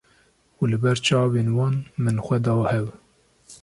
û li ber çavên wan min xwe da hev